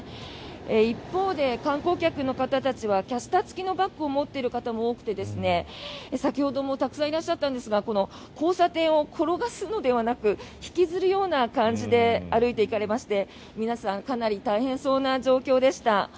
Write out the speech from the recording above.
一方で観光客の方たちはキャスター付きのバッグを持っている方も多くて先ほどもたくさんいらっしゃったんですが交差点を、転がすのではなく引きずるような感じで歩いて行かれまして、皆さんかなり大変そうな状況でした。